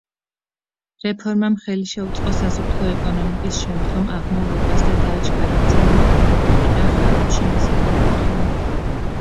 რეფორმამ ხელი შეუწყო სასოფლო ეკონომიკის შემდგომ აღმავლობას და დააჩქარა მძიმე მდგომარეობიდან ხანებში მისი გამოყვანა.